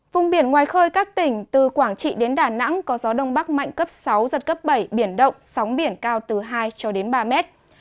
vùng biển ngoài khơi các tỉnh từ quảng trị đến đà nẵng có gió đông bắc mạnh cấp sáu giật cấp bảy biển động sóng biển cao từ hai cho đến ba mét